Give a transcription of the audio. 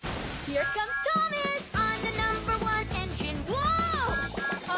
ワオ！